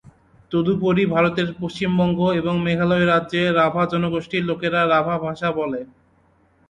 তদুপরি ভারতের পশ্চিমবঙ্গ এবং মেঘালয় রাজ্যে রাভা জনগোষ্ঠীর লোকেরা রাভা ভাষা বলে।